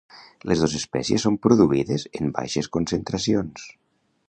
Les dos espècies són produïdes en baixes concentracions.